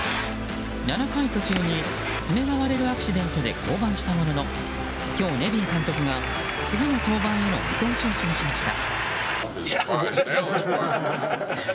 ７回途中に、爪が割れるアクシデントで降板したものの今日、ネビン監督が次の登板への見通しを示しました。